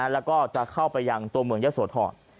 แล้วก็จะเข้าไปยังตัวเมืองเยอะโสธร